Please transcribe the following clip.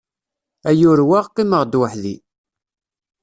Ay urweɣ, qqimeɣ-d weḥd-i!